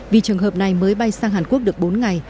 vì trường hợp này mới bay sang hàn quốc được bốn ngày